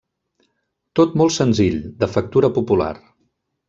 Tot molt senzill, de factura popular.